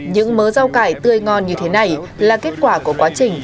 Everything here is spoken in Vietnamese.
những mớ rau cải tươi ngon như thế này là kết quả của quá trình